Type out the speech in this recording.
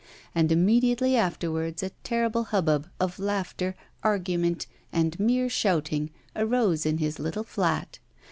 And immediately afterwards a terrible hubbub, of laughter, argument, and mere shouting, arose in his little flat.